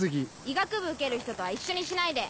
医学部受ける人とは一緒にしないで。